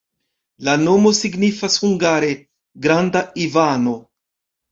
La nomo signifas hungare: granda Ivano.